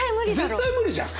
絶対無理じゃん。